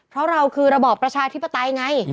เพราะเราคือระบอบประชาธิปไตยไง